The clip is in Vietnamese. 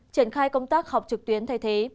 triển khai công tác học trực tuyến thay thế